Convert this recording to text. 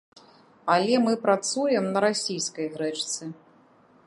Але мы працуем на расійскай грэчцы.